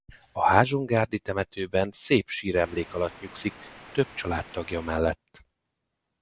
A Házsongárdi temetőben szép síremlék alatt nyugszik több családtagja mellett.